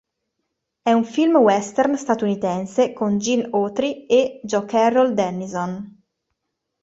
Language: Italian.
È un film western statunitense con Gene Autry e Jo-Carroll Dennison.